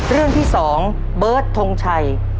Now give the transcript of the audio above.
เรื่องที่๒เบิร์ตทงชัย